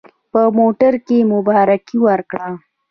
په موټر کې مبارکي ورکړه.